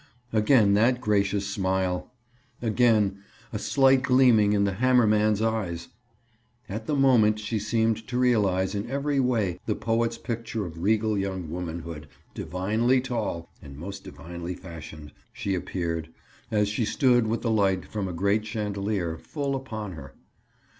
Again that gracious smile! Again a slight gleaming in the hammer man's eyes! At the moment she seemed to realize in every way the poet's picture of regal young womanhood—"divinely tall" and most divinely fashioned, she appeared, as she stood with the light from a great chandelier full upon her.